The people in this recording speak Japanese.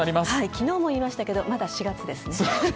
昨日も言いましたがまだ４月ですね。